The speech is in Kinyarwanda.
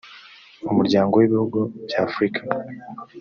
umuryango w ibihugu by afurika